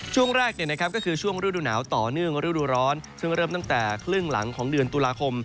ช่วงแรกก็คือช่วงฤดูหนาวต่อเนื่องฤดูร้อนซึ่งเริ่มตั้งแต่ครึ่งหลังของเดือนตุลาคม